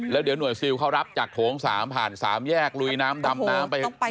แล้วเดี๋ยวหน่วยซิลเขารับจากโถง๓ผ่าน๓แยกลุยน้ำดำน้ำไป